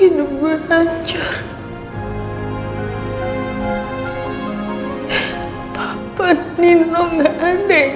ia semua disangkapkan